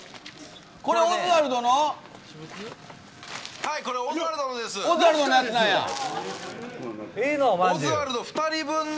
これ、オズワルドの？